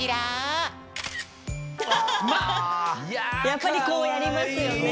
やっぱりこうやりますよね。